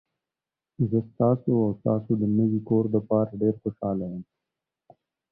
زه ستاسو او ستاسو د نوي کور لپاره ډیر خوشحاله یم.